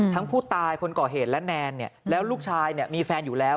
ผู้ตายคนก่อเหตุและแนนเนี่ยแล้วลูกชายมีแฟนอยู่แล้ว